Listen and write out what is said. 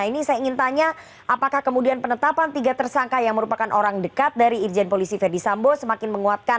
ini saya ingin tanya apakah kemudian penetapan tiga tersangka yang merupakan orang dekat dari irjen polisi verdi sambo semakin menguatkan